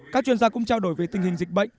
các chuyên gia cũng trao đổi về tình hình dịch bệnh